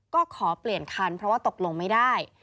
ก็ขอเปลี่ยนคันเพราะว่าตกลงไม่ได้